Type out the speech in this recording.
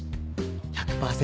１００％